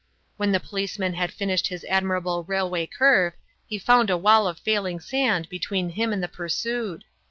When the policeman had finished his admirable railway curve, he found a wall of failing sand between him and the pursued.